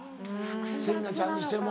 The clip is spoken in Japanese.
芹那ちゃんにしても。